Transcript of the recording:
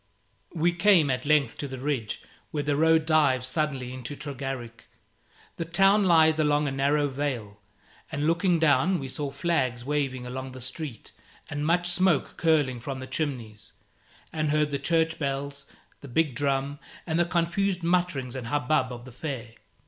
We came at length to the ridge where the road dives suddenly into Tregarrick. The town lies along a narrow vale, and looking down, we saw flags waving along the street and much smoke curling from the chimneys, and heard the church bells, the big drum, and the confused mutterings and hubbub of the fair.